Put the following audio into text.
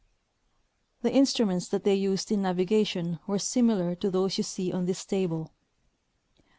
The instruments that tliey used in navigation were similar to those you see on this table.